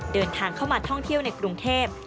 เดินทางเข้ามาท่องเที่ยวในกรุงเทพ